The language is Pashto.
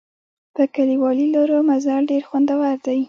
په کلیوالي لارو مزل ډېر خوندور دی.